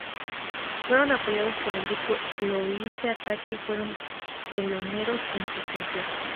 Fueron apoyados por el grupo Louise Attaque y fueron teloneros en sus conciertos.